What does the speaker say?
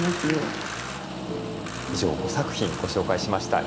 以上５作品ご紹介しました。